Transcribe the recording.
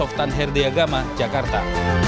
dari kota tanherdi agama jakarta